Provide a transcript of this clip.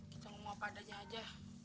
kita ngomong apa adanya aja